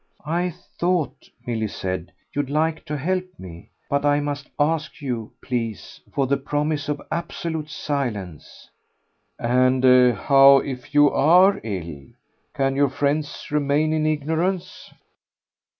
"I thought," Milly said, "you'd like to help me. But I must ask you, please, for the promise of absolute silence." "And how, if you ARE ill, can your friends remain in ignorance?"